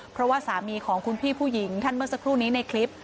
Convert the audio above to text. เพราะว่าสามีของคุณพี่ผู้หญิงท่านเมื่อสักครู่นี้ในคลิป